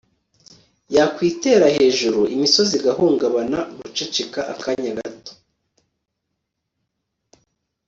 yakwitera hejuru imisozi igahungabana. (guceceka akanya gato